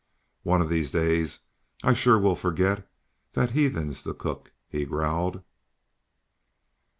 "One of these days I sure will forget that heathen's the cook," he growled.